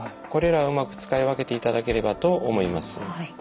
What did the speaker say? これらをうまく使い分けていただければと思います。